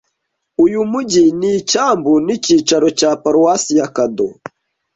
Uyu mujyi n’icyambu ni icyicaro cya Paruwasi ya Cado